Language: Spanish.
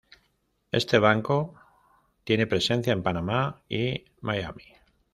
Este Banco tiene presencia en Panamá y Miami.